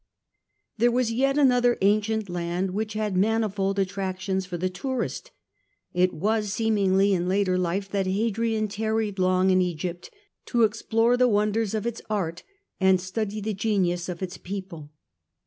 There was yet another ancient land which had mani fold attractions for the tourist. It was seemingly in later Hadrian in that Hadrian tarried long in Egypt, to Egypt. explore the wonders of its art and study the genius of its people.